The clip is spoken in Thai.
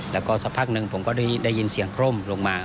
แล้วก็สักพักหนึ่งผมก็ได้ยินเสียงคร่มลงมา